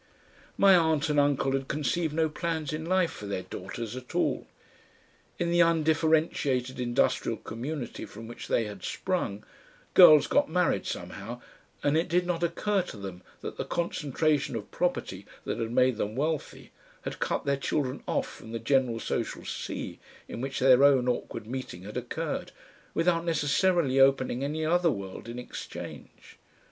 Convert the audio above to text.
My aunt and uncle had conceived no plans in life for their daughters at all. In the undifferentiated industrial community from which they had sprung, girls got married somehow, and it did not occur to them that the concentration of property that had made them wealthy, had cut their children off from the general social sea in which their own awkward meeting had occurred, without necessarily opening any other world in exchange.